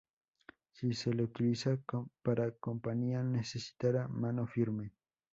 Si se le utiliza para compañía necesitará mano firme.